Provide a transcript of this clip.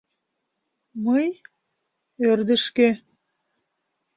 Мый — ӧрдыжкӧ.